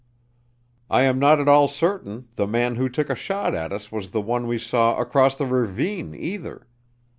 I am not at all certain the man who took a shot at us was the one we saw across the ravine, either.